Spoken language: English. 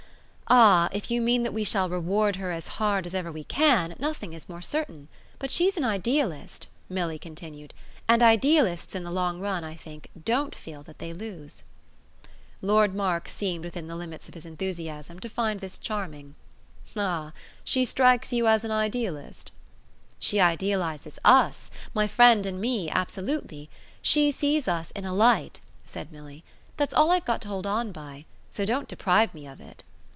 "Ah if you mean that we shall reward her as hard as ever we can, nothing is more certain. But she's an idealist," Milly continued, "and idealists, in the long run, I think, DON'T feel that they lose." Lord Mark seemed, within the limits of his enthusiasm, to find this charming. "Ah she strikes you as an idealist?" "She idealises US, my friend and me, absolutely. She sees us in a light," said Milly. "That's all I've got to hold on by. So don't deprive me of it."